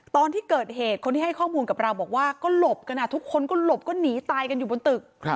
ตอนที่เกิดเหตุคนที่ให้ข้อมูลกับเราบอกว่าก็หลบกันทุกคนก็หลบก็หนีตายกันอยู่บนตึก